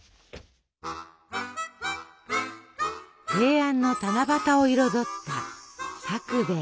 平安の七夕を彩ったさくべい。